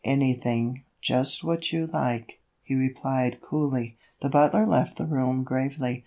"Anything, just what you like," he replied coolly. The butler left the room gravely.